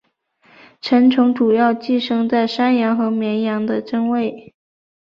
成虫主要寄生在山羊和绵羊的真胃。